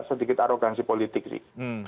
sedikit arogansi politik sih